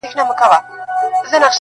چي وجود را سره زما او وزر ستا وي,